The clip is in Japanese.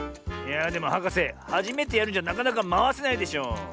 いやあでもはかせはじめてやるんじゃなかなかまわせないでしょ。